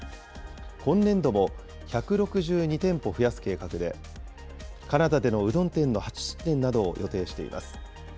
今年度も１６２店舗増やす計画で、カナダでのうどん店の初出店などを予定しています。